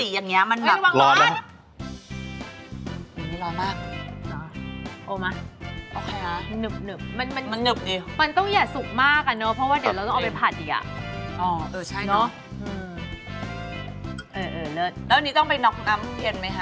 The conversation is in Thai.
แล้วอันนี้ต้องไปน็อกน้ำเย็นไหมคะ